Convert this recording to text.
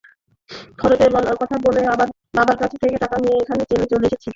খরচের কথা বলে বাবার কাছ থেকে টাকা নিয়ে এখানে চলে এসেছি।